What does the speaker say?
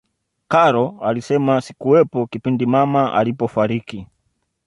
karol alisema sikuwepo kipindi mama alipofariki